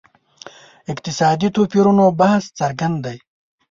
اقتصادي توپیرونو بحث څرګند دی.